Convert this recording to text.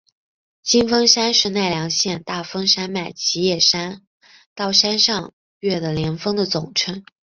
金峰山是奈良县大峰山脉吉野山到山上岳的连峰的总称。